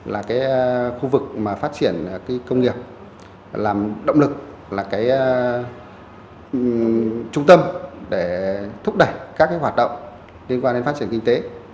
là cái khu vực mà phát triển cái công nghiệp làm động lực là cái trung tâm để thúc đẩy các hoạt động liên quan đến phát triển kinh tế